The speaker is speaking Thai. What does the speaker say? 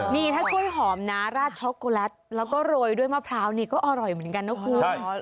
นี่ถ้ากล้วยหอมนะราดช็อกโกแลตแล้วก็โรยด้วยมะพร้าวนี่ก็อร่อยเหมือนกันนะคุณ